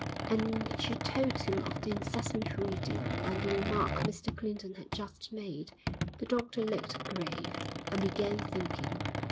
And she told him of the incessant reading and the remark Mr Clinton had just made. The doctor looked grave, and began thinking.